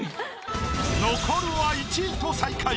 残るは１位と最下位。